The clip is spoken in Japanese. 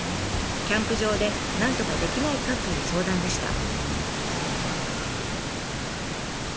キャンプ場でなんとかできないかという相談でした。